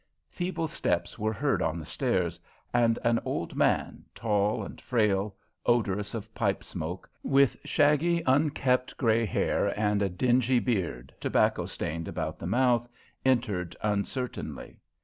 Feeble steps were heard on the stairs, and an old man, tall and frail, odorous of pipe smoke, with shaggy, unkept grey hair and a dingy beard, tobacco stained about the mouth, entered uncertainly.